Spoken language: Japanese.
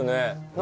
何？